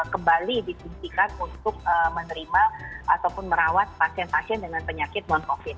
kembali disuntikan untuk menerima ataupun merawat pasien pasien dengan penyakit non covid